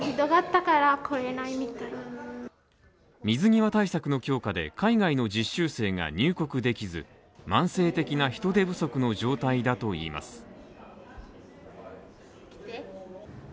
水際対策の強化で、海外の実習生が入国できず、慢性的な人手不足の状態だといいます。